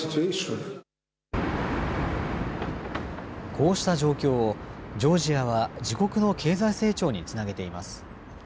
こうした状況を、ジョージアは自国の経済成長につなげています。